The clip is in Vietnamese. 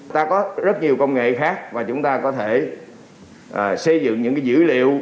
ta có rất nhiều công nghệ khác và chúng ta có thể xây dựng những dữ liệu